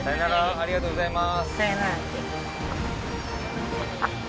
ありがとうございます。